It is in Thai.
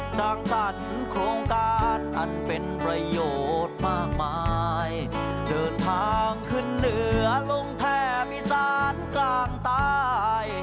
สร้างสรรค์โครงการอันเป็นประโยชน์มากมายเดินทางขึ้นเหนือลงแท่มีสารกลางใต้